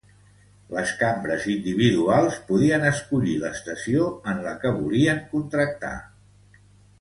Les cambres individuals podien escollir l'estació en la que volien contractar.